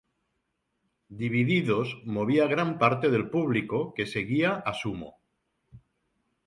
Divididos movía gran parte del público que seguía a Sumo.